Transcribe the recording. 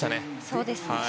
そうですね。